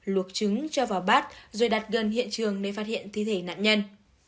luộc trứng cho vào bát rồi đặt gần hiện trường để phát hiện thi thể nạn nhân